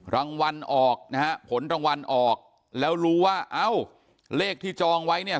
รางวัลออกนะฮะผลรางวัลออกแล้วรู้ว่าเอ้าเลขที่จองไว้เนี่ย